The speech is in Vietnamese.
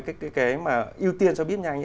cái mà ưu tiên cho buýt nhanh